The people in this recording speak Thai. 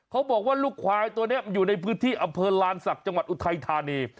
เขาบอกว่าลูกควายตัวนี้อยู่ในพื้นที่อำเภอลานศักดิ์จังหวัดอุทัยธานี